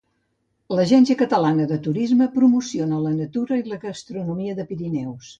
L'Agència Catalana de Turisme promociona la natura i la gastronomia de Pirineus.